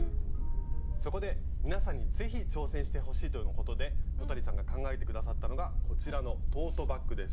そこで皆さんに是非挑戦してほしいとのことで野谷さんが考えて下さったのがこちらのトートバッグです。